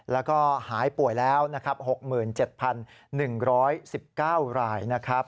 แล้วก็หายป่วยแล้วนะครับ๖๗๑๑๙รายนะครับ